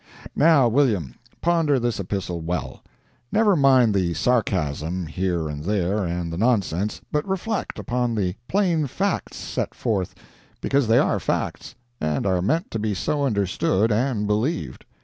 Now, William, ponder this epistle well; never mind the sarcasm, here and there, and the nonsense, but reflect upon the plain facts set forth, because they are facts, and are meant to be so understood and believed.